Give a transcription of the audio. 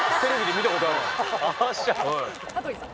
羽鳥さん